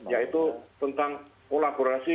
yaitu tentang kolaborasi